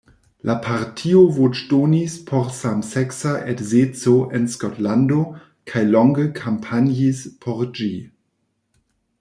La partio voĉdonis por samseksa edzeco en Skotlando kaj longe kampanjis por ĝi.